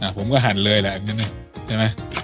นี่ผมก็หั่นเลยแหละ